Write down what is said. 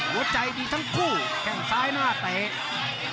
หัวใจดีทั้งคู่แข่งซ้ายหน้าเตะ